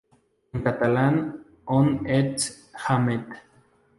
En catalán: "On ets, Ahmed?.